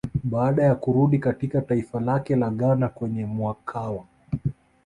Baada ya kurudi katika taifa lake la Ghana kwenye mwakawa